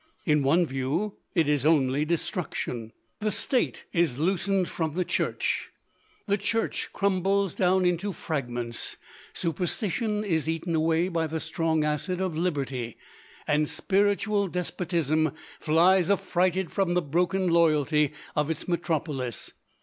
In one view it is only destruction. The State is loosened from the Church. The Church crumbles down into fragments. Superstition is eaten away by the strong acid of liberty, and spiritual despotism flies affrighted from the broken loyalty of its metropolis.